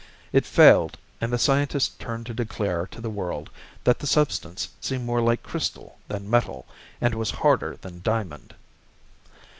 It failed and the scientist turned to declare to the world that the substance seemed more like crystal than metal and was harder than diamond.